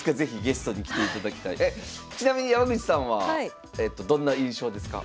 ちなみに山口さんはどんな印象ですか？